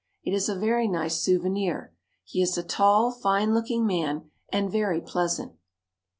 It is a very nice souvenir. He is a tall, fine looking man and very pleasant.